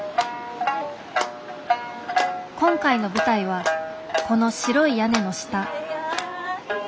今回の舞台はこの白い屋根の下。